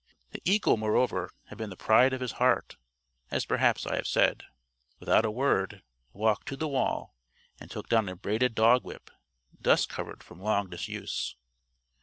The eagle, moreover, had been the pride of his heart as perhaps I have said. Without a word, he walked to the wall and took down a braided dog whip, dust covered from long disuse.